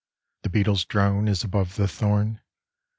The beetle's drone Is above the thorn.